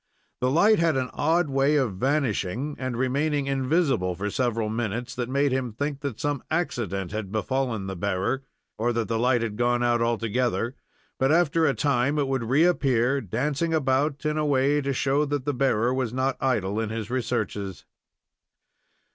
The light had an odd way of vanishing and remaining invisible for several minutes that made him think that some accident had befallen the bearer, or that the light had gone out altogether; but after a time it would reappear, dancing about in a way to show that the bearer was not idle in his researches.